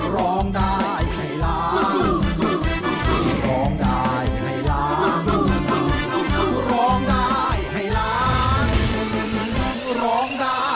ร้องได้ให้ร้าน